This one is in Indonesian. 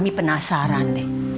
mami penasaran deh